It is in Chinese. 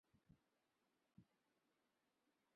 目前效力于崎玉西武狮担任先发投手。